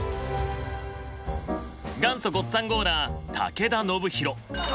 元祖ごっつぁんゴーラー武田修宏。